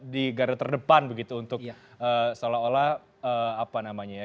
di garda terdepan begitu untuk seolah olah apa namanya ya